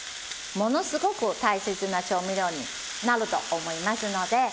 ものすごく大切な調味料になると思いますので。